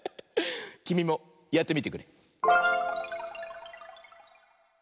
きみもやってみてくれ。